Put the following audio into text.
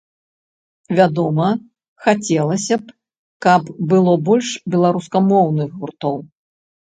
Вядома, хацелася б, каб было больш беларускамоўных гуртоў.